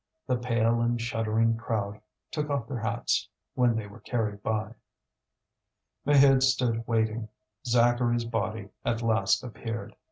The pale and shuddering crowd took off their hats when they were carried by. Maheude stood waiting. Zacharie's body at last appeared.